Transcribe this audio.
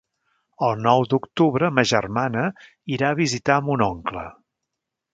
El nou d'octubre ma germana irà a visitar mon oncle.